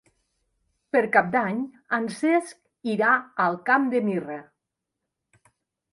Per Cap d'Any en Cesc irà al Camp de Mirra.